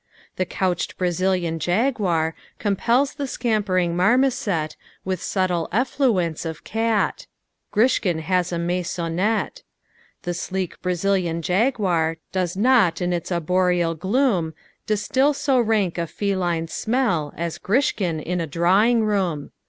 The couched Brazilian jaguar Compels the scampering marmoset With subtle effluence of cat; Grishkin has a maisonette; The sleek Brazilian jaguar Does not in its arboreal gloom Distil so rank a feline smell As Grishkin in a drawing room.